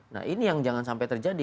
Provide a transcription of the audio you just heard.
nah ini yang jangan sampai terjadi